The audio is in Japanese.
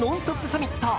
サミット